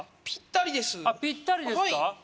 ぴったりですぴったりですか？